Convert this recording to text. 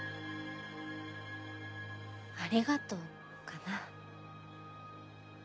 「ありがとう」かな。